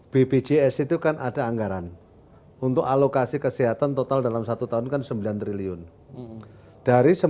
bpjs itu kan ada anggaran untuk alokasi kesehatan total dalam satu tahun kan sembilan triliun